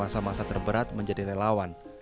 semasa terberat menjadi relawan